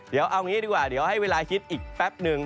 เดี๋ยวเอางี้ดีกว่าเดี๋ยวให้เวลาคิดอีกแป๊บนึง